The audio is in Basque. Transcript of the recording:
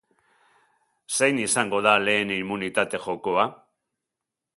Zein izango da lehen immunitate jokoa?